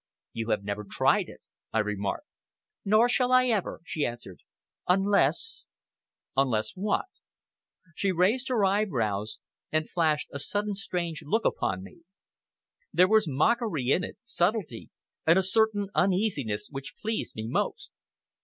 "You have never tried it," I remarked. "Nor shall I ever," she answered, "unless " "Unless what?" She raised her eyebrows and flashed a sudden strange look upon me. There was mockery in it, subtlety, and a certain uneasiness which pleased me most.